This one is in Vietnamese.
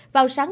vào sáng một